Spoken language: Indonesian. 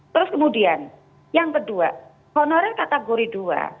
terus kemudian yang kedua honorer kategori dua